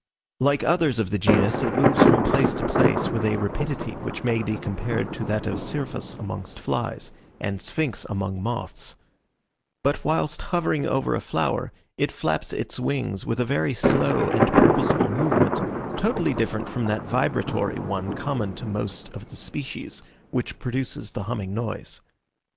Like others of the genus, it moves from place to place with a rapidity which may be compared to that of Syrphus amongst flies, and Sphinx among moths; but whilst hovering over a flower, it flaps its wings with a very slow and powerful movement, totally different from that vibratory one common to most of the species, which produces the humming noise.